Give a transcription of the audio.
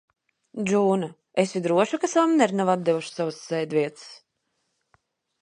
Džūna, esi droša, ka Samneri nav atdevuši savas sēdvietas?